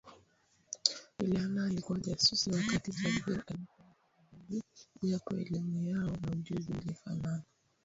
Juliana alikuwa jasusi wakati Jabir alikuwa mpelelezi japo elimu yao na ujuzi vilifanana